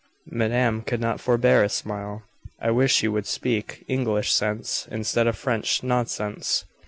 Madame could not forbear a smile. "I wish you would speak English sense, instead of French nonsense."